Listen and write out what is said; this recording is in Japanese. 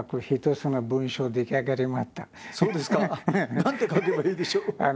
何て書けばいいでしょう？